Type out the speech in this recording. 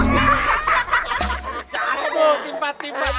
yang tadi berlitung thin airn dicking